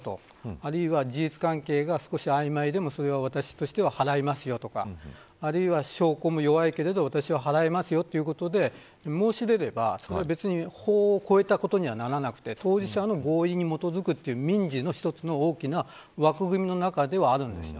あるいは事実関係が少し曖昧でもそれは私としては払いますよとかあるいは、証拠も弱いけれど私は払いますよということで申し出れば、それは別に法を超えたことにはならなくて当事者の合意に基づくという民事の一つの大きな枠組みの中ではあるんです。